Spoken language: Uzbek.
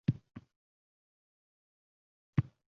Ko‘pchilikka parvoz emas, faqat ozuqaning o‘zi zarur, xolos.